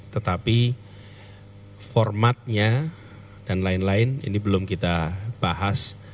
tetapi formatnya dan lain lain ini belum kita bahas